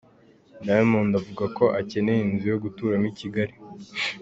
Diamond avuga ko akeneye inzu yo guturamo i Kigali.